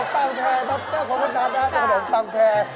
ขนมปังแท้พระอาทิตย์ขนมปังแท้